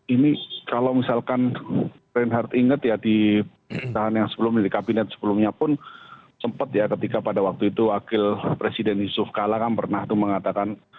ini kalau misalkan reinhardt inget ya di perintahannya sebelumnya di kabinet sebelumnya pun sempet ya ketika pada waktu itu wakil presiden yusuf kala kan pernah tuh mengatakan